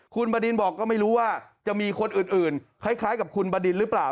คุณบดินบอกก็ไม่รู้ว่าจะมีคนอื่นคล้ายกับคุณบดินหรือเปล่า